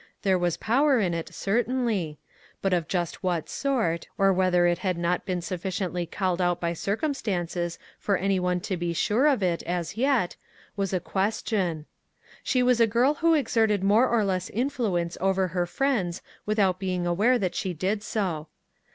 There was power in it, certainly ; but of just what sort, or whether it had not been suf ficiently called out by circumstances for any one to be sure of it as yet, was a question. She was a girl who exerted more or less influence over her friends without being aware that she did so.